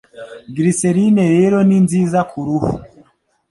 Glycerine rero ni nziza ku ruhu